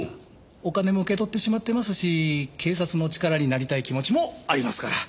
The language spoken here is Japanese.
お金も受け取ってしまってますし警察の力になりたい気持ちもありますから。